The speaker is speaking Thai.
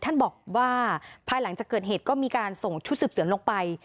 ท่านบอกว่าภายหลังจากเกิดเหตุก็มีการส่งชุดสืบสวนลงไป